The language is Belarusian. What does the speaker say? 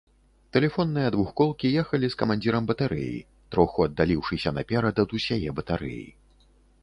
Тэлефонныя двухколкі ехалі з камандзірам батарэі, троху аддаліўшыся наперад ад усяе батарэі.